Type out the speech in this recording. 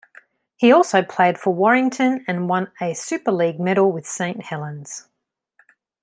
He also played for Warrington, and won a Super League medal with Saint Helens.